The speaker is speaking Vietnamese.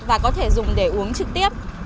và có thể dùng để uống trực tiếp